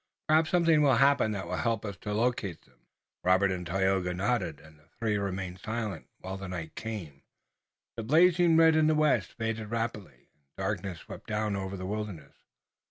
Perhaps something will happen that will help us to locate them." Robert and Tayoga nodded and the three remained silent while the night came. The blazing red in the west faded rapidly and darkness swept down over the wilderness.